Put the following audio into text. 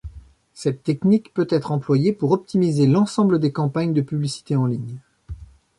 Cette technique peut être employée pour optimiser l'ensemble des campagnes de publicité en ligne.